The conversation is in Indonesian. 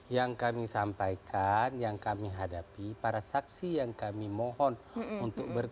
yang kami sampaikan yang kami hadapi para saksi yang kami mohon untuk